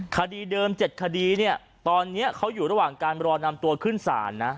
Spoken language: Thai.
คดีเดิม๗คดีเนี่ยตอนนี้เขาอยู่ระหว่างการรอนำตัวขึ้นศาลนะ